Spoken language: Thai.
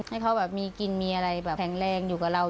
ให้เขาแบบมีกินมีอะไรแบบแข็งแรงอยู่กับเรา